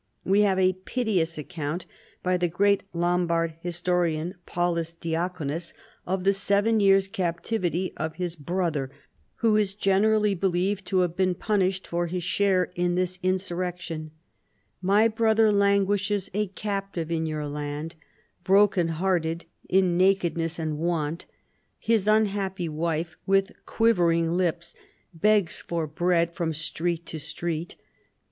We have a piteous account by the great Lombard historian, Paul us Diaconus,* of the seven years' captivity of his Ijrother, who is generally believed to have been punished for his share in this insurrection. " My brother languishes a captive in your land, broken * See p. 58, note. REVOLTS AND CONSPIRACIES. 169 hearted, in nakedness and want. His unhappy wife, with quivering li])s, begs for bread from street to street.